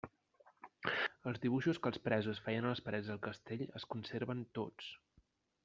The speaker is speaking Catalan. Els dibuixos que els presos feien a les parets del castell es conserven tots.